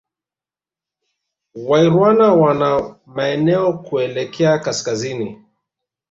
Wairwana wana maeneo kuelekea Kaskazini